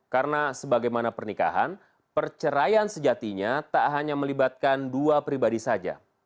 karena sebagaimana pernikahan perceraian sejatinya tak hanya melibatkan dua pribadi saja